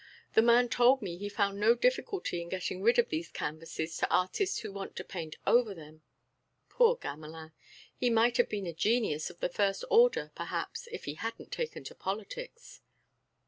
The man told me he found no difficulty in getting rid of these canvases to artists who want to paint over them.... Poor Gamelin! He might have been a genius of the first order, perhaps, if he hadn't taken to politics."